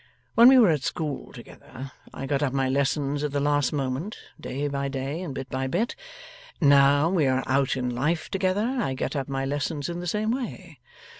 When we were at school together, I got up my lessons at the last moment, day by day and bit by bit; now we are out in life together, I get up my lessons in the same way.